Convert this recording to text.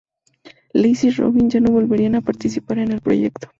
Liz y Robin ya no volverían a participar en el proyecto.